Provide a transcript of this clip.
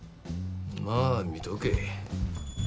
まあ見とけ。